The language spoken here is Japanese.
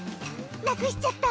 なくしちゃった。